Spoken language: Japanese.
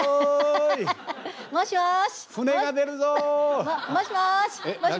もしもし！